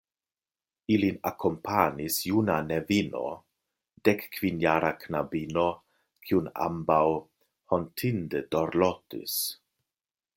Ilin akompanis juna nevino, dekkvinjara knabino, kiun ambaŭ hontinde dorlotis.